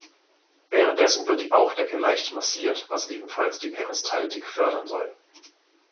Währenddessen wird die Bauchdecke leicht massiert, was ebenfalls die Peristaltik fördern soll.